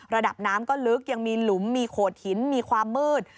ระดับน้ำก็ลึกยังมีหลุมมีโขดหินมีความมืด